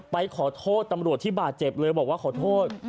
ไปขอโทษตำรวจที่บาดเจ็บเลยบอกว่าขอโทษ